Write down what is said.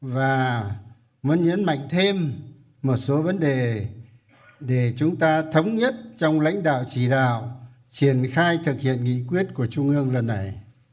và muốn nhấn mạnh thêm một số vấn đề để chúng ta thống nhất trong lãnh đạo chỉ đạo triển khai thực hiện nghị quyết của trung ương lần này